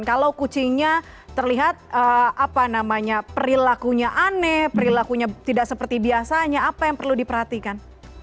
kalau kucingnya terlihat apa namanya perilakunya aneh perilakunya tidak seperti biasanya apa yang perlu diperhatikan